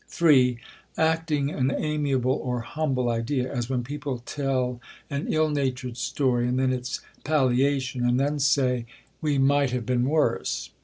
(3) Acting an amiable or humble idea: as when people tell an ill natured story and then its palliation, and then say "We might have been worse."